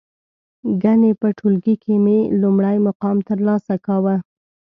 گني په ټولگي کې مې لومړی مقام ترلاسه کاوه.